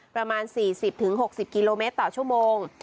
ประมาณ๔๐๖๐กิโลเมตรต่อชั่วโมง